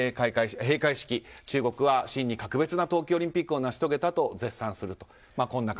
閉会式、中国は真に格別な冬季オリンピックを成し遂げたと絶賛すると。